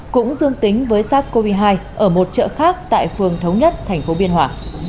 cũng dương tính với sars cov hai ở một chợ khác tại phường thống nhất thành phố biên hòa